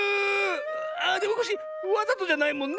ああでもコッシーわざとじゃないもんね？